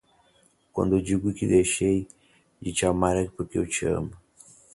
Quando eu digo que deixei de te amar é porque eu te amo